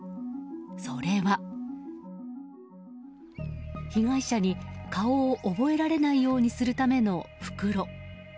それは被害者に顔を覚えられないようにするための袋。